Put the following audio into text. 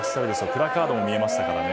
プラカードも見えましたからね。